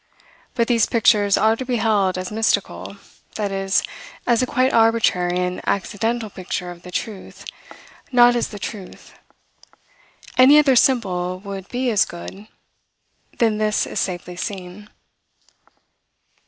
But these pictures are to be held as mystical, that is, as a quite arbitrary and accidental picture of the truth not as the truth. Any other symbol would be as good: then this is safely seen.